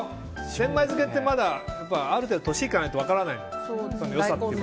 千枚漬ってある程度年いかないと分からない。